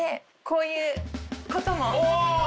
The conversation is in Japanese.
こういうことも。